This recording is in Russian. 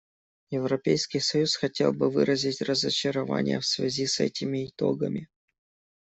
Европейский союз хотел бы выразить разочарование в связи с этими итогами.